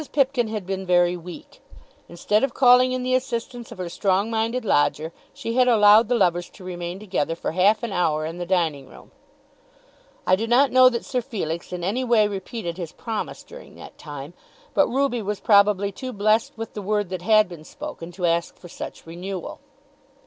Pipkin had been very weak. Instead of calling in the assistance of her strong minded lodger, she had allowed the lovers to remain together for half an hour in the dining room. I do not know that Sir Felix in any way repeated his promise during that time, but Ruby was probably too blessed with the word that had been spoken to ask for such renewal.